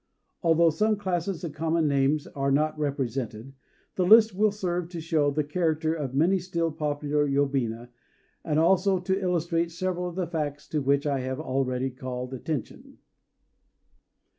Although some classes of common names are not represented, the list will serve to show the character of many still popular yobina, and also to illustrate several of the facts to which I have already called attention.